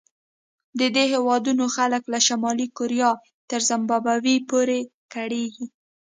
د دې هېوادونو خلک له شمالي کوریا تر زیمبابوې پورې کړېږي.